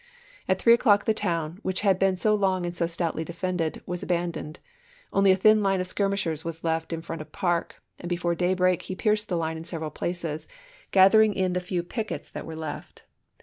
At three o'clock the town, which api. 3, 186& had been so long and so stoutly defended, was abandoned ; only a thin line of skirmishers was left in front of Parke, and before daybreak he pierced the line in several places, gathering in the few pickets that were left.